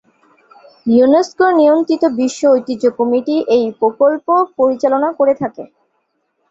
UNESCO নিয়ন্ত্রিত বিশ্ব ঐতিহ্য কমিটি এই প্রকল্প পরিচালনা করে থাকে।